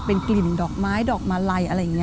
เป็นกลิ่นดอกไม้ดอกมาลัยอะไรอย่างนี้